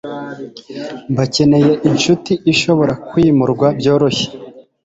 Bakeneye inshuti ishobora kwimurwa byoroshye